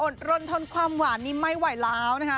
รนทนความหวานนี้ไม่ไหวแล้วนะคะ